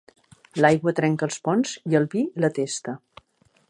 L'aigua trenca els ponts i el vi la testa.